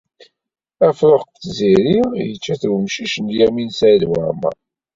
Afrux n Tiziri yečča-t umcic n Lyamin n Saɛid Waɛmeṛ.